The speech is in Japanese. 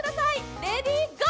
レディー・ゴー！